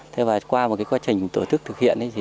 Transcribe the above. thế và qua một quá trình tổ chức thực hiện